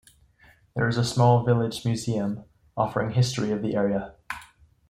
There is a small village museum, offering history of the area.